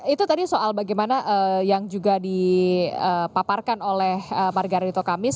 itu tadi soal bagaimana yang juga dipaparkan oleh margarito kamis